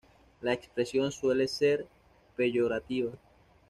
La expresión suele ser peyorativa.